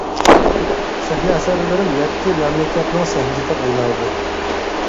سەھنە ئەسەرلىرىم يەتتە مەملىكەتنىڭ سەھنىسىدە ئوينالدى.